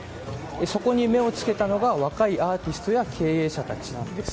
そこに目を付けたのが若いアーティストや経営者たちなんです。